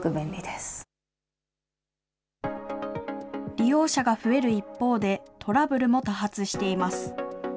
利用者が増える一方で、トラブルも多発しています。